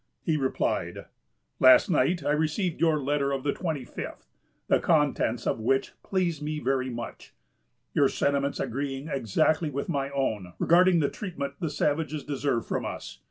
He replied: "Last night I received your letter of the twenty fifth, the contents of which please me very much,——your sentiments agreeing exactly with my own regarding the treatment the savages deserve from us